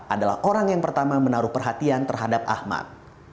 adalah orang yang pertama menaruh perhatian terhadap ahmad